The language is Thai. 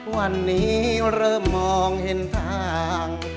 วันนี้เริ่มมองเห็นทาง